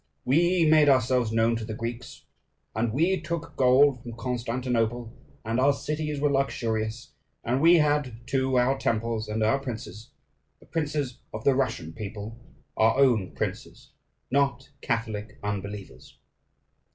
We made ourselves known to the Greeks, and we took gold from Constantinople, and our cities were luxurious, and we had, too, our temples, and our princes the princes of the Russian people, our own princes, not Catholic unbelievers.